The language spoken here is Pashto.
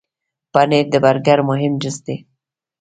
پنېر د برګر مهم جز دی.